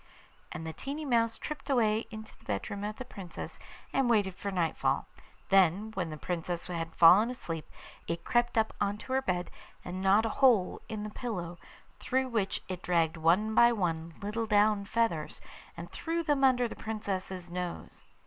And the tiny mouse tripped away into the bedroom of the Princess, and waited for nightfall; then, when the Princess had fallen asleep, it crept up on to her bed, and gnawed a hole in the pillow, through which it dragged one by one little down feathers, and threw them under the Princess's nose.